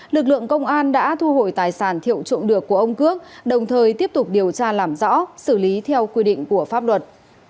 lực lượng công an đã thu hồi tài sản thiệu trộm được của ông cước đồng thời tiếp tục điều tra làm rõ xử lý theo quy định của pháp luật